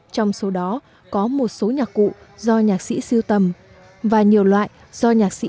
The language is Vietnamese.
trong số đó có một số nhạc cụ do nhạc sĩ siêu tầm và nhiều loại do nhạc sĩ